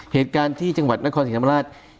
เหตุการณ์ที่จังหวัดนครศรีธรรมราช